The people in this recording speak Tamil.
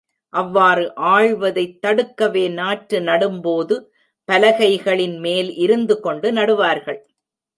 அவ்வாறு ஆழ்வதைத் தடுக்கவே நாற்று நடும்போது பலகைகளின் மேல் இருந்துகொண்டு நடுவார்கள்.